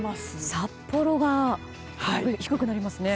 札幌、低くなりますね。